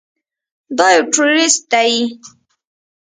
دا يو ټروريست دى.